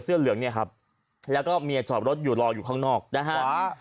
เหลืองเนี่ยครับแล้วก็เมียจอดรถอยู่รออยู่ข้างนอกนะฮะ